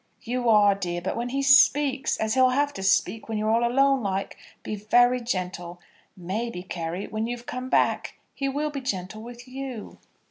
"You are, dear; but when he speaks, as he'll have to speak when you're all alone like, be very gentle. Maybe, Carry, when you've come back, he will be gentle with you."